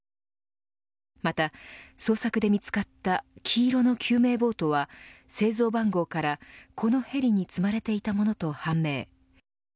また捜索で見つかった黄色の救命ボートは製造番号から、このへりに積まれていたものと判明。